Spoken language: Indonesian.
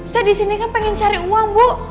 saya disini kan pengen cari uang bu